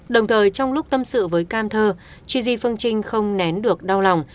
đồng thời trong lúc tâm sự với cam thơ gigi phương trinh không nén được đau lòng